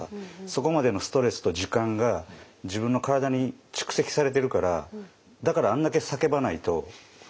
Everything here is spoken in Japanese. そこまでのストレスと時間が自分の体に蓄積されてるからだからあんだけ叫ばないと。